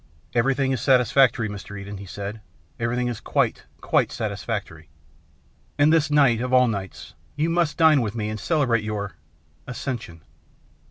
" Everything is satisfactory, Mr. Eden," he said. " Everything is quite, quite satisfactory. And this night of all nights, you must dine with me and celebrate your accession."